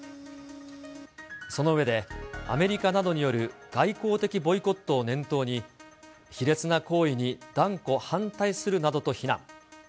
その上で、アメリカなどによる外交的ボイコットを念頭に、卑劣な行為に断固反対するなどと非難。